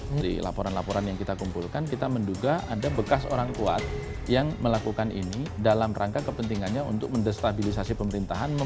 dari laporan laporan yang kita kumpulkan kita menduga ada bekas orang kuat yang melakukan ini dalam rangka kepentingannya untuk mendestabilisasi pemerintahan